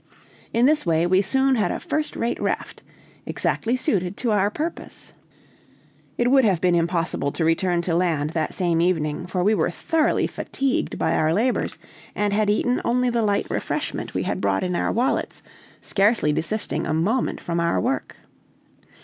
In this way we soon had a first rate raft, exactly suited to our purpose. It would have been impossible to return to land that same evening, for we were thoroughly fatigued by our labors, and had eaten only the light refreshment we had brought in our wallets, scarcely desisting a moment from our work.